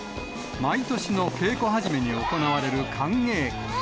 毎年の稽古始めに行われる寒稽古。